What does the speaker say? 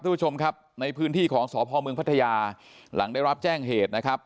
ทุกผู้ชมครับในพื้นที่ของสพเมืองพัทยาหลังได้รับแจ้งเหตุนะครับ